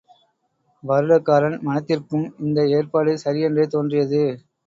வருடகாரன் மனத்திற்கும் இந்த ஏற்பாடு சரி என்றே தோன்றியது.